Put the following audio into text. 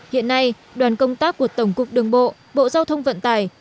hiện nay đoàn công tác của tổng cục đường bộ bộ giao thông vận tải